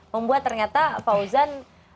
membuat ternyata fauzan